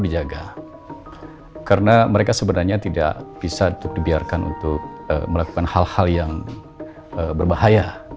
dijaga karena mereka sebenarnya tidak bisa dibiarkan untuk melakukan hal hal yang berbahaya